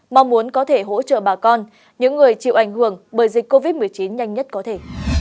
mong muốn có thể hỗ trợ bà con những người chịu ảnh hưởng bởi dịch covid một mươi chín nhanh nhất có thể